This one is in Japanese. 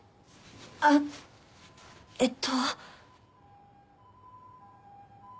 あっえっと。